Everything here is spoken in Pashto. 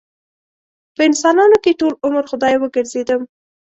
په انسانانو کې ټول عمر خدايه وګرځېدم